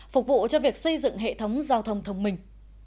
phục vụ cho việc xây dựng hệ thống giao thông thông minh